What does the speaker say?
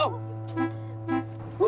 ya macet lagi nih aduh